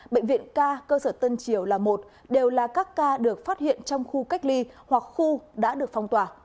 bệnh viện ca cơ sở tân triều là một đều là các ca được phát hiện trong khu cách ly hoặc khu đã được phong tỏa